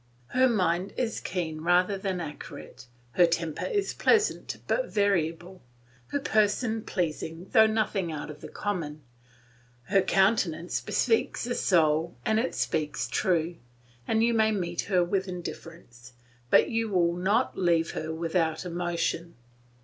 Her mind is keen rather than accurate, her temper is pleasant but variable, her person pleasing though nothing out of the common, her countenance bespeaks a soul and it speaks true; you may meet her with indifference, but you will not leave her without emotion.